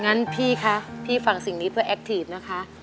งั้นพี่คะพี่ฟังสิ่งนี้เพื่อแอคทีฟนะคะ